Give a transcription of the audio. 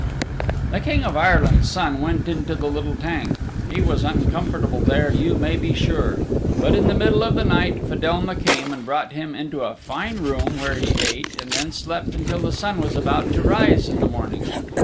The King of Ireland's Son went into the little tank. He was uncomfortable there you may be sure. But in the middle of the night Fedelma came and brought him into a fine room where he ate and then slept until the sun was about to rise in the morning.